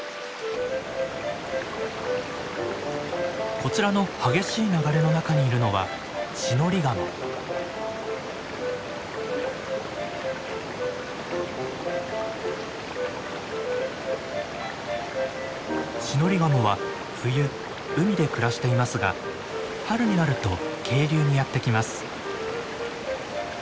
こちらの激しい流れの中にいるのはシノリガモは冬海で暮らしていますが春になると渓流にやって来ます。